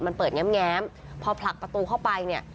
มันเปิดแง้มพอผลักประตูเข้าไปเนี่ย